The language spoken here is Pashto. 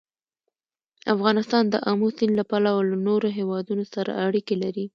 افغانستان د آمو سیند له پلوه له نورو هېوادونو سره اړیکې لري.